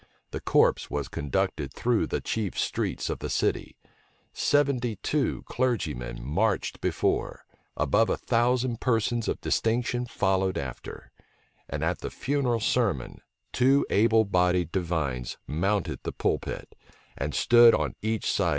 The corpse was conducted through the chief streets of the city: seventy two clergymen marched before: above a thousand persons of distinction followed after: and at the funeral sermon, two able bodied divines mounted the pulpit, and stood on each side o.